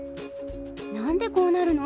何でこうなるの？